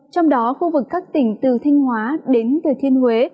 trong đó khu vực các tỉnh từ thanh hóa đến thừa thiên huế